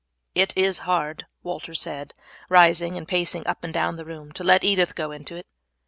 "It is hard," Walter said, rising and pacing up and down the room, "to let Edith go into it."